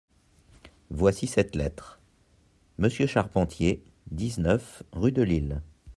Voici cette lettre : «Monsieur Charpentier, dix-neuf, rue de Lille.